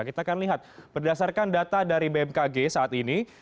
kita akan lihat berdasarkan data dari bmkg saat ini